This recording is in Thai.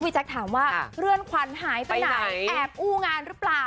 แจ๊คถามว่าเรือนขวัญหายไปไหนแอบอู้งานหรือเปล่า